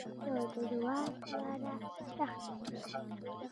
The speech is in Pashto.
د درواز لاره سخته ده